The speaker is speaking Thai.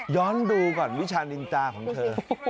ดูก่อนวิชานินตาของเธอ